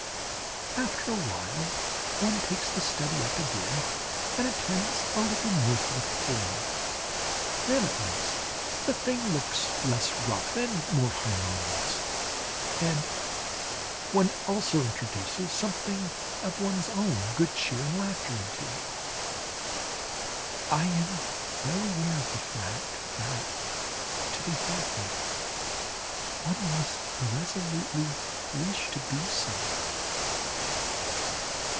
After a while one takes the study up again and attends a little more to the form. Then, at least, the thing looks less rough and more harmonious, and one also introduces something of one's own good cheer and laughter into it. I am well aware of the fact that, to be healthy, one must resolutely wish to be so.